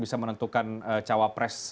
bisa menentukan cawapres